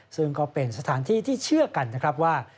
ซึ่งก็เป็นสถานที่ที่เชื่อกันนะครับว่า